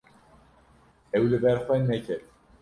Ew li ber xwe neket.